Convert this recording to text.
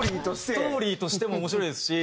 ストーリーとしても面白いですし